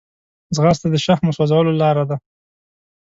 ځغاسته د شحمو سوځولو لاره ده